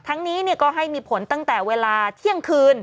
นี้ก็ให้มีผลตั้งแต่เวลาเที่ยงคืน